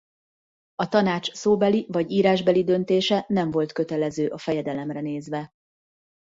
A tanács szóbeli vagy írásbeli döntése nem volt kötelező a fejedelemre nézve.